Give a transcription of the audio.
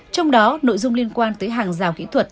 trong đó nội dung liên quan tới hàng rào kỹ thuật